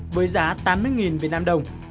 với giá tám mươi đồng